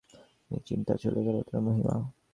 হায় রে, যৌবন তো আজও ফুরোয় নি কিন্তু চলে গেল তার মহিমা।